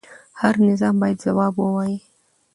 هر نظام باید ځواب ووایي